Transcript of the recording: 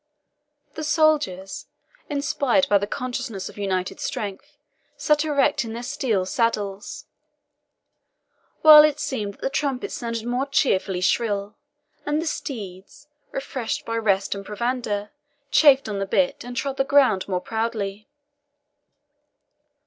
The soldiers, inspired by the consciousness of united strength, sat erect in their steel saddles; while it seemed that the trumpets sounded more cheerfully shrill, and the steeds, refreshed by rest and provender, chafed on the bit, and trod the ground more proudly.